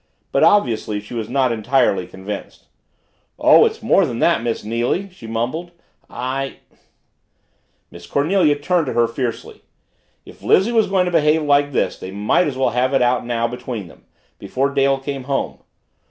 But obviously she was not entirely convinced. "Oh, it's more than that, Miss Neily," she mumbled. "I " Miss Cornelia turned to her fiercely. If Lizzie was going to behave like this, they might as well have it out now between them before Dale came home.